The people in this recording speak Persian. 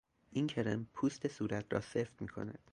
این کرم پوست صورت را سفت می کند.